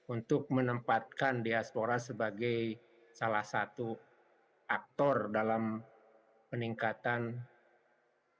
untuk menempatkan diaspora sebagai salah satu aktor dalam peningkatan kualitas